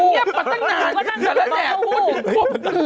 นานก็นั่งจัดแล้วเนี่ย